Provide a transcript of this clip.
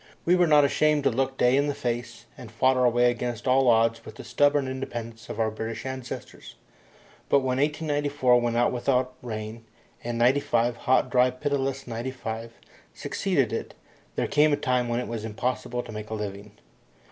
We were not ashamed to look day in the face, and fought our way against all odds with the stubborn independence of our British ancestors. But when 1894 went out without rain, and '95, hot, dry, pitiless '95, succeeded it, there came a time when it was impossible to make a living.